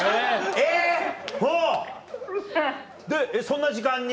えっそんな時間に？